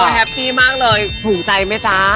แฮปปี้มากเลยถูกใจไหมจ๊ะ